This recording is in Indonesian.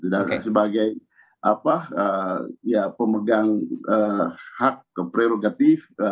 sebagai pemegang hak prerogatif